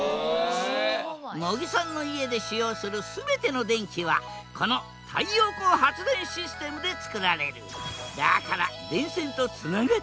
茂木さんの家で使用する全ての電気はこの太陽光発電システムで作られる。